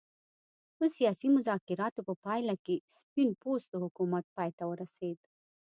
د سیاسي مذاکراتو په پایله کې سپین پوستو حکومت پای ته ورسېد.